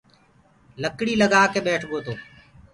لڪڙيٚ لگآڪي ٻيٺَگو تو